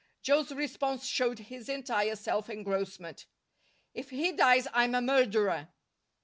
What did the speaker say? Joe's response showed his entire self engrossment. "If he dies, I'm a murderer."